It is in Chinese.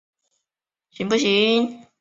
为高经济价值的观赏鱼。